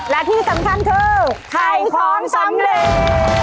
และที่สำคัญคือถ่ายของสำเร็จ